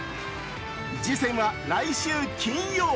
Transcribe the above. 次戦は来週金曜。